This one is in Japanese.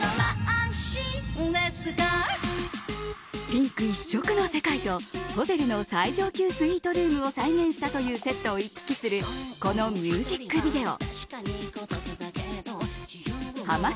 ピンク一色の世界と、ホテルの最上級スイートルームを再現したというセットを行き来するこのミュージックビデオ。